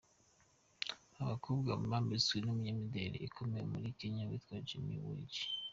Aba bakobwa bambitswe n’umunyamideli ukomeye muri Kenya witwa Jamil Walji.